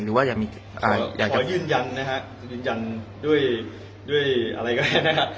ขอยืนยันนะครับยืนยันด้วยอะไรก็ได้นะครับ